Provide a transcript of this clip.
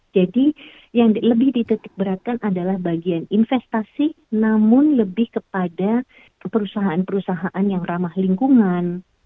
jadi yang lebih dititik beratkan adalah bagian investasi namun lebih kepada perusahaan perusahaan yang ramah lingkungan